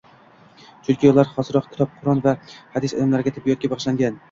Chunki ular xosroq kitob, Qur’on va hadis ilmlariga, tibbiyotga bag‘ishlangan.